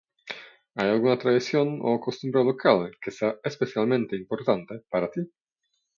¿Hay alguna tradición o costumbre local que sea especialmente importante para ti?